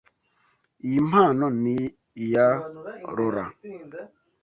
Iyi mpano ni iya Laura?